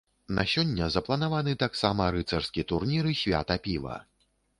На сёння запланаваны таксама рыцарскі турнір і свята піва.